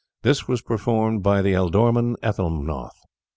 This was performed by the Ealdorman Ethelnoth.